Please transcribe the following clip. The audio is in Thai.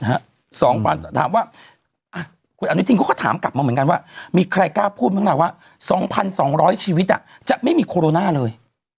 ถามว่าอันนี้จริงก็ถามกลับมาเหมือนกันว่ามีใครกล้าพูดมาว่า๒๒๐๐ชีวิตอ่ะจะไม่มีโคโรน่าเลย